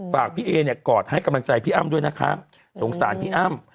ฝากพี่เอเนี่ยกอดให้กำลังใจพี่อ้ำด้วยนะครับสงสารพี่อ้ำ